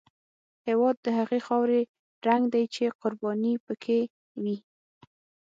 هېواد د هغې خاورې رنګ دی چې قرباني پکې وي.